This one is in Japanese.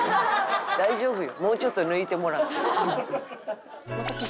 大丈夫よもうちょっと抜いてもらって。